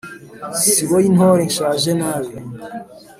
siboyintore nshaje nabi